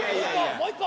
もう１個！